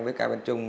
với cài văn trung